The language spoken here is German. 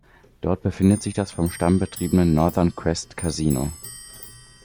Dort befindet sich das vom Stamm betriebene "Northern Quest Casino".